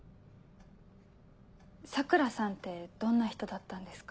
桜さんってどんな人だったんですか？